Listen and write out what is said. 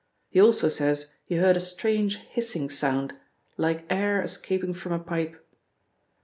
He also says he heard a strange hissing sound, like air escaping from a pipe.